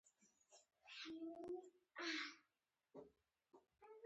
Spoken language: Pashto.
کرنه د اقتصادي ودې لپاره حیاتي سکتور دی.